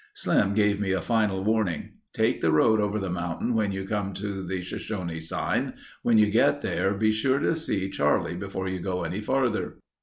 Slim gave me a final warning. "Take the road over the mountain when you come to the Shoshone sign. When you get there be sure to see Charlie before you go any farther."